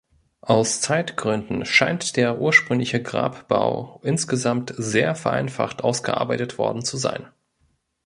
Aus Zeitgründen scheint der ursprüngliche Grabbau insgesamt sehr vereinfacht ausgearbeitet worden zu sein.